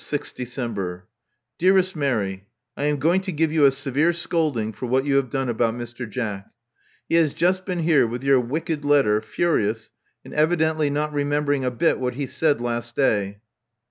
"6th September. Dearest Mary: — I am going to give you a severe scolding for what you have done about Mr. Jack. He has just been here with your wicked letter, furious, and evidently not remembering a bit what he said last day.